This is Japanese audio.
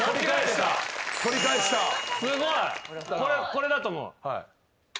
これだと思う。